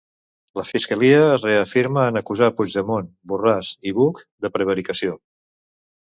La fiscalia es reafirma en acusar Puigdemont, Borràs i Buch de prevaricació.